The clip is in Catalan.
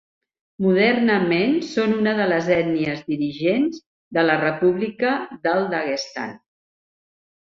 Modernament són una de les ètnies dirigents de la República del Daguestan.